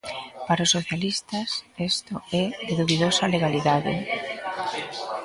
Para os socialistas, isto é de dubidosa legalidade.